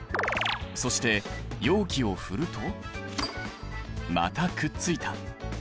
そして容器を振るとまたくっついた。